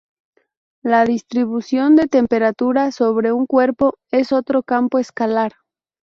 La distribución de temperatura sobre un cuerpo es otro campo escalar.